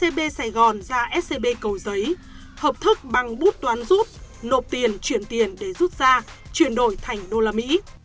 văn đã đưa scb sài gòn ra scb cầu giấy hợp thức bằng bút toán rút nộp tiền chuyển tiền để rút ra chuyển đổi thành usd